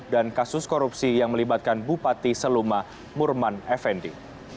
dan kasus korupsi yang melibatkan bupati seluma murman effendi